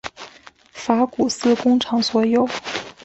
法古斯工厂所有。